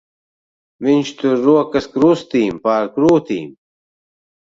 Viņš tur rokas krustīm pār krūtīm.